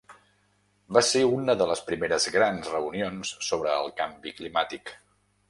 Va ser una de les primeres gran reunions sobre el canvi climàtic.